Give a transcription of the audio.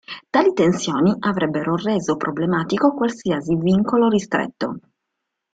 Tali tensioni avrebbero reso problematico qualsiasi vincolo ristretto.